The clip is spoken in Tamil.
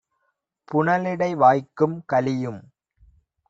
புனலிடை வாய்க்கும் கலியும்